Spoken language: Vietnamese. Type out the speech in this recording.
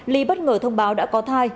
ly bất ngờ thông báo đã có thai